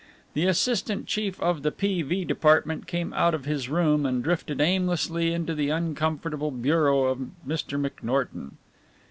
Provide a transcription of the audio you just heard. The Assistant Chief of the P.V. Department came out of his room and drifted aimlessly into the uncomfortable bureau of Mr. McNorton.